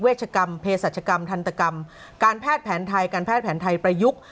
ชกรรมเพศรัชกรรมทันตกรรมการแพทย์แผนไทยการแพทย์แผนไทยประยุกต์